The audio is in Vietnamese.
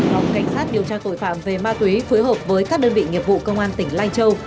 phòng cảnh sát điều tra tội phạm về ma túy phối hợp với các đơn vị nghiệp vụ công an tỉnh lai châu